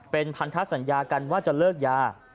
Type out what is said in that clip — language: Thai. เป็นพันธุ์ทัศน์สัญญากันว่าจะเลิกยา